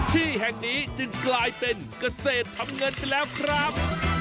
ที่แห่งนี้จึงกลายเป็นเกษตรทำเงินไปแล้วครับ